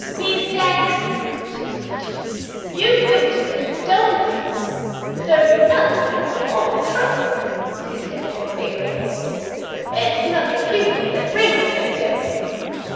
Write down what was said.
"Miss Agnes," she beseeched, "you go to bed and don't listen. There'll be nothing there, for all your trouble," she said, in a quavering voice. "It's nothing human that rings that bell."